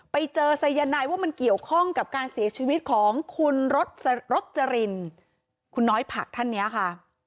ไปเจอสายนายว่ามันเกี่ยวข้องกับการเสียชีวิตของคุณรสจรินคุณน้อยผักท่านนี้ค่ะ